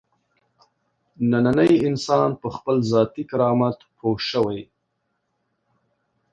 نننی انسان په خپل ذاتي کرامت پوه شوی.